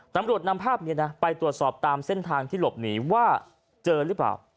นำภาพนี้นะไปตรวจสอบตามเส้นทางที่หลบหนีว่าเจอหรือเปล่า